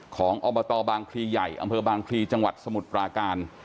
อบตบางพลีใหญ่อำเภอบางพลีจังหวัดสมุทรปราการ